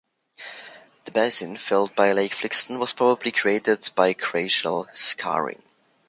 The basin filled by Lake Flixton was probably created by glacial 'scarring'.